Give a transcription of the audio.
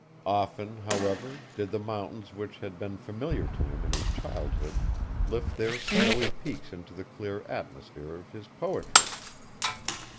Often, however, did the mountains which had been familiar to him in his childhood lift their snowy peaks into the clear atmosphere of his poetry.